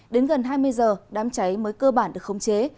đến gần hai mươi giờ đám cháy mới cơ bản được khống chế